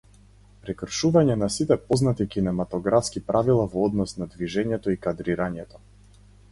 Прекршување на сите познати кинематографски правила во однос на движењето и кадрирањето.